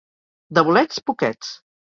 De bolets, poquets.